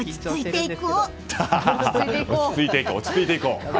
落ち着いていこう！